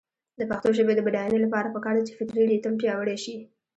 د پښتو ژبې د بډاینې لپاره پکار ده چې فطري ریتم پیاوړی شي.